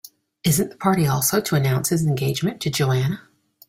Isn't the party also to announce his engagement to Joanna?